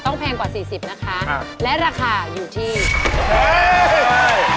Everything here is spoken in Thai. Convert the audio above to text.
ต้องแพงกว่า๔๐นะคะและราคาอยู่ที่เฮ่ย